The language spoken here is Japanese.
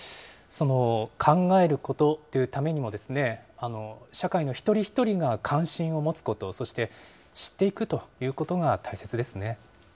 考えることというためにも、社会の一人一人が関心を持つこと、そして知っていくということが大切ですね。